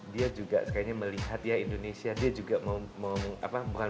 dia juga sekalian melihat indonesia dia juga menghargai